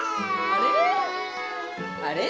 あれ？